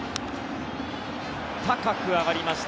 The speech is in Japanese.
高く上がりました。